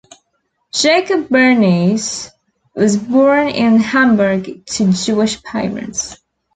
Jacob Bernays was born in Hamburg to Jewish parents.